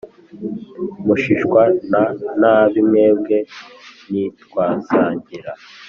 Munashishwa na nabi mwebwe ntitwasangira